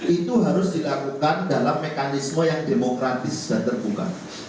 itu harus dilakukan dalam mekanisme yang demokratis dan terbuka